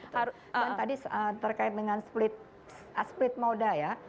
dan tadi terkait dengan split moda ya